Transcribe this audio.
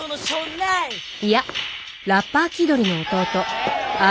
いやラッパー気取りの弟嵐。